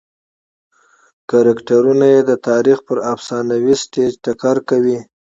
کرکټرونه یې د تاریخ پر افسانوي سټېج ټکر کوي.